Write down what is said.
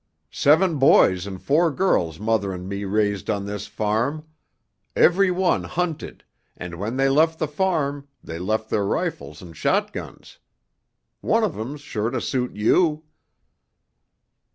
Seven boys and four girls Mother and me raised on this farm. Every one hunted, and when they left the farm, they left their rifles and shotguns. One of 'em's sure to suit you."